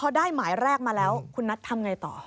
พอได้หมายแรกมาแล้วคุณนัททำไงต่อ